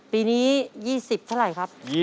ปีนี้๒๐เท่าไหร่ครับ